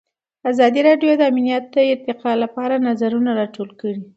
ازادي راډیو د امنیت د ارتقا لپاره نظرونه راټول کړي.